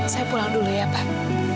saya pulang dulu ya pak